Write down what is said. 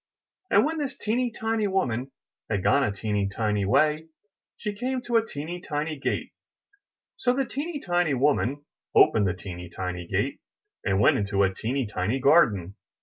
And when this teeny tiny woman had gone a teeny tiny way, she came to a teeny tiny gate; so the teeny tiny woman opened the teeny tiny gate, and went into a teeny tiny garden.